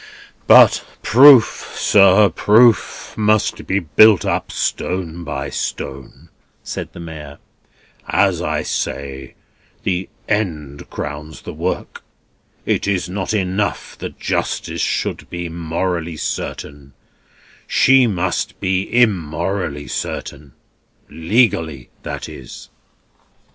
"But proof, sir, proof must be built up stone by stone," said the Mayor. "As I say, the end crowns the work. It is not enough that justice should be morally certain; she must be immorally certain—legally, that is."